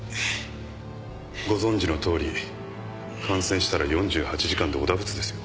ご存じのとおり感染したら４８時間でお陀仏ですよ。